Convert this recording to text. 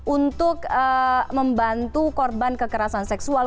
untuk membantu korban kekerasan seksual